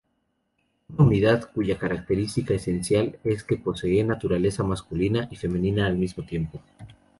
Una unidad, cuya característica esencial es que posee naturaleza masculina y femenina al tiempo.